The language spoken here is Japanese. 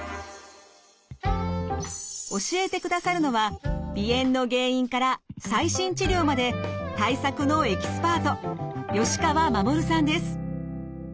教えてくださるのは鼻炎の原因から最新治療まで対策のエキスパート吉川衛さんです。